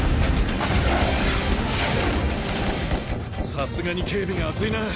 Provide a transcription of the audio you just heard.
さすがに警備が厚いな。